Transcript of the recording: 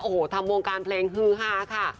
โอ้โหทำวงการเพลงฮือฮาค่ะ